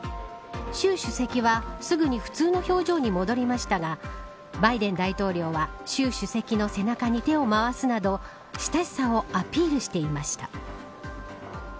習主席は、すぐに普通の表情に戻りましたがバイデン大統領は習主席の背中に手を回すなど親しさをアピールしていました。